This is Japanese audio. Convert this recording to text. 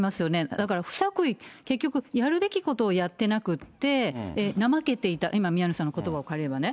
だから、不作為、結局、やるべきことをやってなくって、怠けていた、今、宮根さんのことばを借りればね。